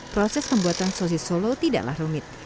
proses pembuatan sosis solo tidaklah rumit